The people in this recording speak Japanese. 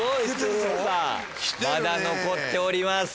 まだ残っております。